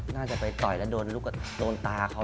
น่าจะไปต่อยแล้วโดนตาเขา